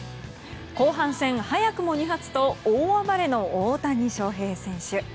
後半戦、早くも２発と大暴れの大谷翔平選手。